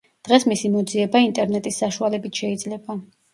დღეს მისი მოძიება ინტერნეტის საშუალებით შეიძლება.